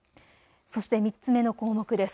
そして３つ目の項目です。